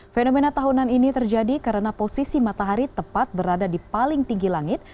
fenomena tahunan ini terjadi karena posisi matahari tepat berada di paling tinggi langit